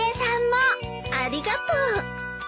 ありがとう。